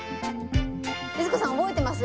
律子さん覚えてます？